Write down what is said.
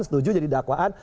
setuju jadi dakwaan